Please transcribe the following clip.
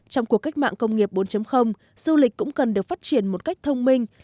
trong cuộc cách mạng công nghiệp bốn du lịch cũng cần được phát triển một cách thông minh